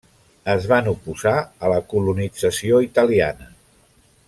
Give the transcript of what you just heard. Es van oposar a la colonització italiana.